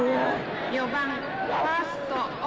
「４番ファースト王」